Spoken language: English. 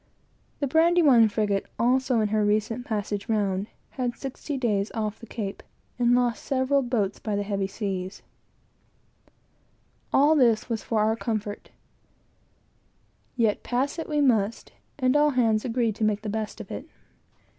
The Brandywine frigate, also, in her passage round, had sixty days off the Cape, and lost several boats by the heavy sea. All this was for our comfort; yet pass it we must; and all hands agreed to make the best of it.